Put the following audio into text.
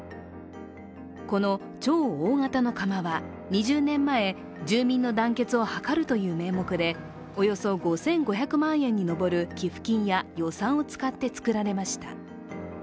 この超大型の釜は２０年前、住民の団結を図るという名目でおよそ５５００万円に上る寄付金や予算を使って造られました。